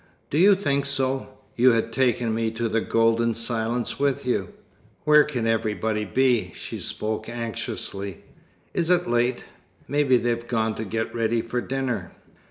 "Do you think so? You had taken me to the golden silence with you." "Where can everybody be?" She spoke anxiously. "Is it late? Maybe they've gone to get ready for dinner."